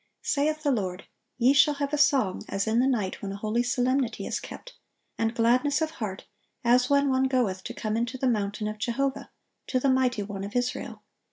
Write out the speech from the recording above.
Saith the Lord: "Ye shall have a song, as in the night when a holy solemnity is kept; and gladness of heart, as when one goeth ... to come into the mountain of Jehovah, to the Mighty One of Israel.